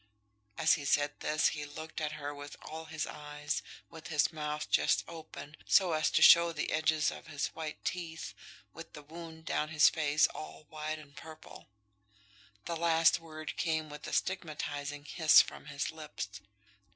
As he said this he looked at her with all his eyes, with his mouth just open, so as to show the edges of his white teeth, with the wound down his face all wide and purple. The last word came with a stigmatizing hiss from his lips.